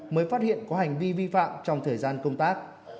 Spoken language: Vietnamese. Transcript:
mới phát hiện có hành vi vi phạm trong thời gian công tác